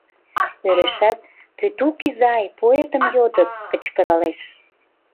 Ӧрешат, «Пӧтук изай, пуэтым йодыт!» — кычкыралеш.